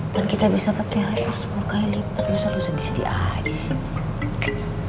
kan kita bisa dapet thr sepuluh kali lipat masa lo sedih sedih aja sih